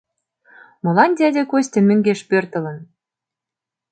— Молан дядя Костя мӧҥгеш пӧртылын?